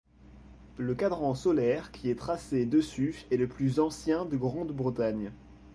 Le cadran solaire qui est tracé dessus est le plus ancien de Grande-Bretagne.